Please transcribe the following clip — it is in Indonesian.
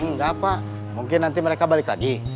gak apa apa mungkin nanti mereka balik lagi